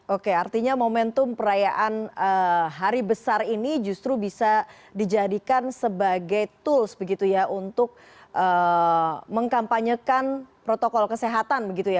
oke artinya momentum perayaan hari besar ini justru bisa dijadikan sebagai tools begitu ya untuk mengkampanyekan protokol kesehatan begitu ya